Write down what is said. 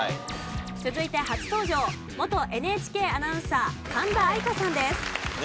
続いて初登場元ＮＨＫアナウンサー神田愛花さんです。